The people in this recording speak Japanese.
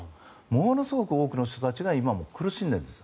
ものすごく多くの人たちが今も苦しんでいるんです。